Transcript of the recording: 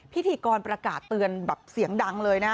พิธีกรประกาศเตือนแบบเสียงดังเลยนะ